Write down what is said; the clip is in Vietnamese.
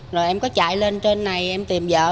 rồi em có chạy lên trên này em tìm vợ